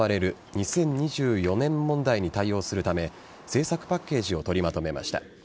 ２０２４年問題に対応するため政策パッケージを取りまとめました。